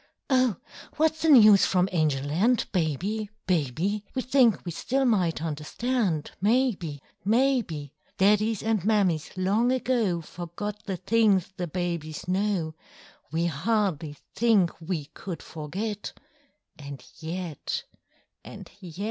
"Oh! what's the news from Angel Land, Baby, Baby? We think we still might understand, Maybe, maybe! Daddies and Mammies long ago Forgot the things the babies know; We hardly think we could forget, And yet—and yet!"